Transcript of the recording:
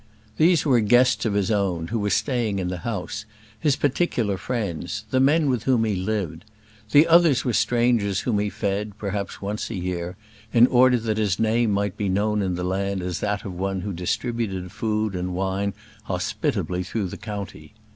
These were guests of his own, who were staying in the house, his particular friends, the men with whom he lived: the others were strangers whom he fed, perhaps once a year, in order that his name might be known in the land as that of one who distributed food and wine hospitably through the county.